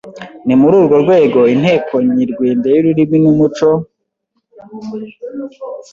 Ni muri urwo rwego, Inteko Nyerwende y’Ururimi n’umuco